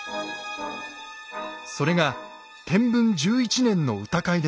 それが天文１１年の歌会です。